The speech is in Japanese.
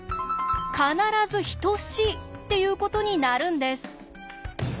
必ず等しいっていうことになるんです！